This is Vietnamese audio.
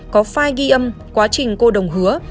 có file ghi âm quá trình cô đồng hứa